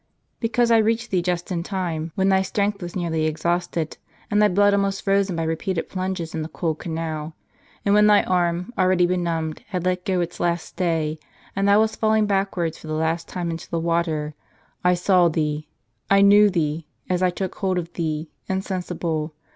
" Because I reached thee just in time : when thy strength was nearly exhausted, and thy blood almost frozen by repeated plunges in the cold canal; and when thy arm, already benumbed, had let go its last stay, and thou wast falling backwards for the last time into the water. I saw thee : I knew thee, as I took hold of thee, insensible.